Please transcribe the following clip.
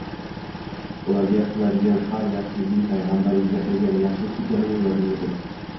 Ularga qiladigan xar yaxshiliging, Payg'ambaringga qilingan yaxshilik ekanini yodingda tut.